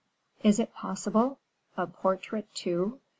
"Is it possible? A portrait, too!